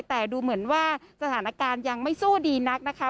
แต่ดูเหมือนว่าสถานการณ์ยังไม่สู้ดีนักนะคะ